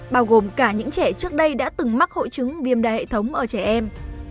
bao gồm cả những trẻ trước đây đã từng mắc hội chứng viêm đa hệ thống ở trẻ em